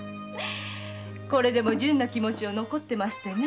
これでも純な気持ちは残ってましてね。